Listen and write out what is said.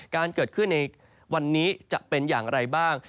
การเกิดขึ้นในวันนี้จะเป็นอย่างไรบ้าง